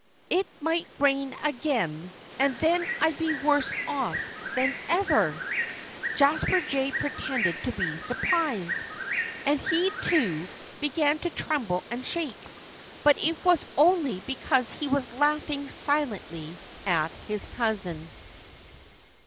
"It might rain again; and then I'd be worse off than ever." Jasper Jay pretended to be surprised. And he, too, began to tremble and shake. But it was only because he was laughing silently at his cousin.